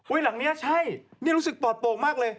หลังนี้ใช่นี่รู้สึกปลอดโปร่งมากเลย